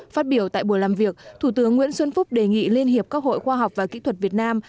phát biểu tại buổi làm việc thủ tướng nguyễn xuân phúc đề nghị liên hiệp các hội khoa học và kỹ thuật việt nam